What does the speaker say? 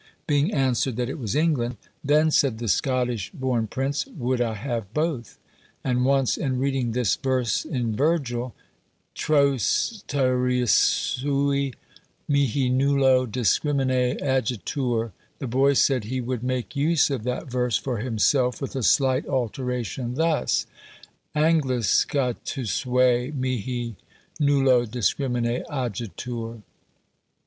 Being answered, that it was England; "Then," said the Scottish born prince, "would I have both!" And once, in reading this verse in Virgil, Tros Tyriusve mihi nullo discrimine agetur, the boy said he would make use of that verse for himself, with a slight alteration, thus, Anglus Scotusve mihi nullo discrimine agetur.